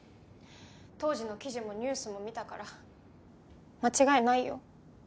当時の記事もニュースも見たから間違いないよ。